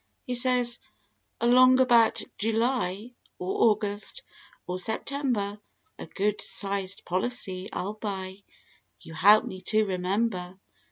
He says "Along about July, or August or September A good sized policy I'll buy, you help me to remem¬ ber.